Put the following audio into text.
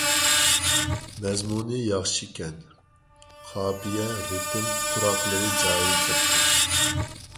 مەزمۇنى ياخشىكەن. قاپىيە، رىتىم، تۇراقلىرى جايىدا كەپتۇ.